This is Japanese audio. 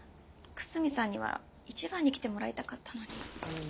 楠見さんには一番に来てもらいたかったのに。